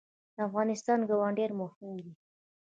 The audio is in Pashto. د افغانستان ګاونډیان مهم دي